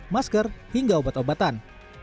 masker hingga obat obatan